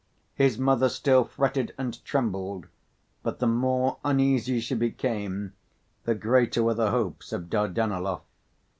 His mother still fretted and trembled, but the more uneasy she became, the greater were the hopes of Dardanelov.